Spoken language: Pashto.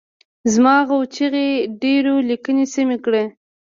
زما غو چیغو ډېرو لیکني سمې کړي.